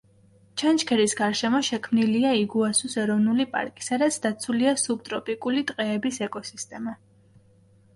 ჩანჩქერის გარშემო შექმნილია იგუასუს ეროვნული პარკი, სადაც დაცულია სუბტროპიკული ტყეების ეკოსისტემა.